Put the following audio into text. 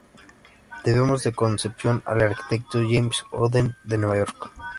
Debemos su concepción al arquitecto James O' Donnell, de Nueva York.